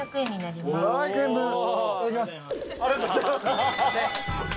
ありがとうございます。